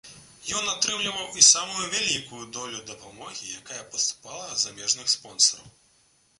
Ён атрымліваў і самую вялікую долю дапамогі, якая паступала ад замежных спонсараў.